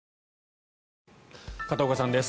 片岡さんです。